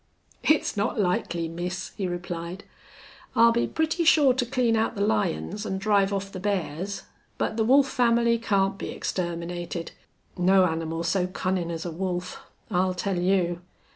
"It's not likely, miss," he replied. "I'll be pretty sure to clean out the lions an' drive off the bears. But the wolf family can't be exterminated. No animal so cunnin' as a wolf!... I'll tell you....